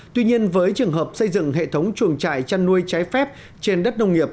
tuy nhiên với trường hợp xây dựng hệ thống chuồng trại chăn nuôi trái phép trên đất nông nghiệp